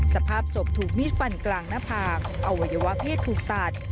สภาพศพถูกมีดฟันกลางหน้าผากอวัยวะเพศถูกตัด